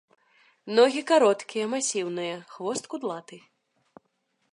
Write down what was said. Ногі кароткія, масіўныя, хвост кудлаты.